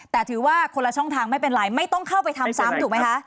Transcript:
แต่ถือว่าคนละช่องทางไม่เป็นไรไม่ต้องเข้าไปทำซ้ำถูกไหมคะ